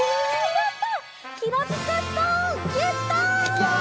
やった。